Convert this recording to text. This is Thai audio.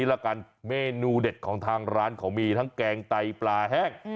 แมนูเด็ดของทางร้านเขามีแกงไตปลาแห้ง